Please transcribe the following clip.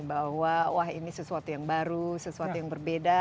bahwa wah ini sesuatu yang baru sesuatu yang berbeda